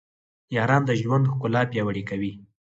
یاران د ژوند ښکلا پیاوړې کوي.